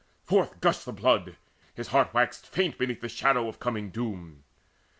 Forth gushed the blood; his heart Waxed faint beneath the shadow of coming doom.